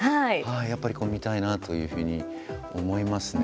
やっぱり見たいなというふうに思いますね。